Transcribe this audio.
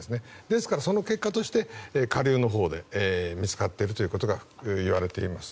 ですから、その結果として下流のほうで見つかっているといわれています。